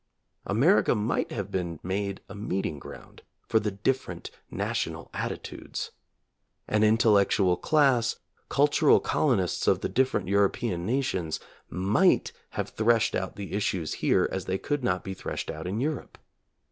America might have been made a meeting ground for the different national attitudes. An intellectual class, cultural colonists of the different European nations, might have threshed out the issues here as they could not be threshed out in Europe.